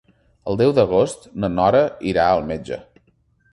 El deu d'agost na Nora irà al metge.